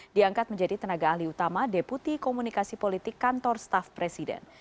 diangkat menjadi tenaga ahli utama deputi komunikasi politik kantor staff presiden